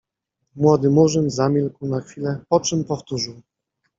Młody Murzyn zamilkł na chwilę, po czym powtórzył.